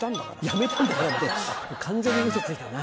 やめたんだもんって完全にウソついてるな。